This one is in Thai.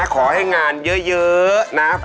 ขอให้งานเยอะนะ